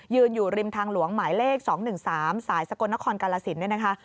อยู่ริมทางหลวงหมายเลข๒๑๓สายสกลนครกาลสินเนี่ยนะคะ